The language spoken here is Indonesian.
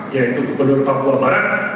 yaitu gubernur papua barat